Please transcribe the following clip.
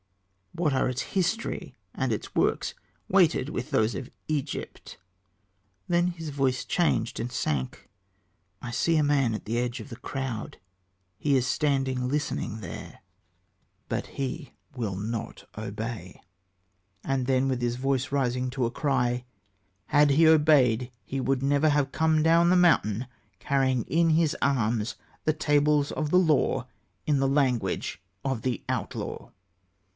what are its history and its works weighed with those of Egypt?" Then his voice changed and sank: "I see a man at the edge of the crowd; he is standing listening there, but he will not obey"; and then, with his voice rising to a cry, "had he obeyed he would never have come down the mountain carrying in his arms the tables of the Law in the language of the outlaw."